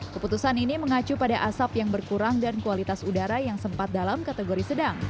keputusan ini mengacu pada asap yang berkurang dan kualitas udara yang sempat dalam kategori sedang